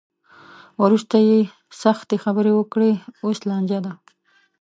وروسته یې سختې خبرې وکړې؛ اوس لانجه ده.